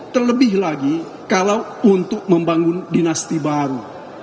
terlebih lagi kalau untuk membangun dinasti baru